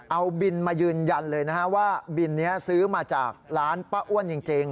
เอาบินมายืนยันเลยนะฮะว่าบินนี้ซื้อมาจากร้านป้าอ้วนจริง